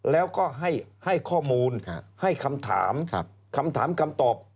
แล้วก็ให้ข้อมูลให้คำถามคำถามคำตอบ